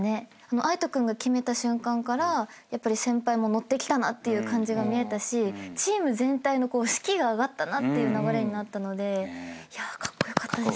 藍仁君が決めた瞬間からやっぱり先輩も乗ってきたなっていう感じが見えたしチーム全体の士気が上がったなっていう流れになったのでいやカッコ良かったです。